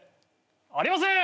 ありません！